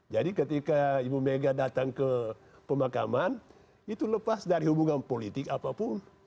ketika ibu mega datang ke pemakaman itu lepas dari hubungan politik apapun